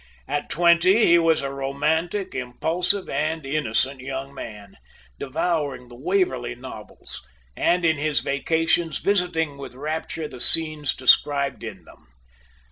At twenty he was a romantic, impulsive, and innocent young man, devouring the Waverley novels, and in his vacations visiting with rapture the scenes described in them.